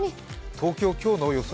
東京、今日の予想